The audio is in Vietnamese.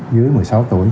dưới một mươi sáu tuổi